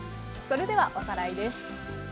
それではおさらいです。